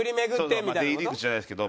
そう出入り口じゃないですけど。